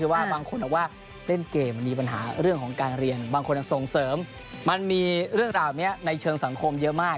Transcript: ว่าบางคนบอกว่าเล่นเกมมันมีปัญหาเรื่องของการเรียนบางคนส่งเสริมมันมีเรื่องราวแบบนี้ในเชิงสังคมเยอะมาก